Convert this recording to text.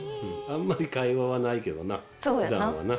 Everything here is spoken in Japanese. あんまり会話はないけどな普段はな。